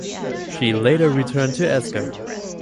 She later returned to Asker.